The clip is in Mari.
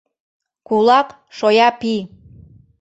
КУЛАК — ШОЯ ПИЙ